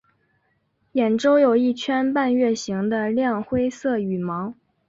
眼周有一圈半月形的亮灰色羽毛。